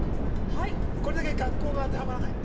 これだけ学校が当てはまらない。